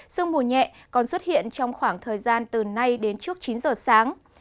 sương mù nhẹ còn xuất hiện trong khoảng thời gian từ nay đến trước chín giờ sáng